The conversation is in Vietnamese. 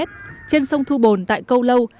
trên sông thu bồn tại câu lâu